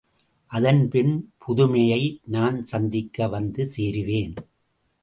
அதன்பின் பதுமையை நான் சந்திக்க வந்து சேருவேன்.